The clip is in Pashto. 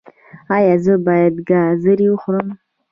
ایا زه باید ګازرې وخورم؟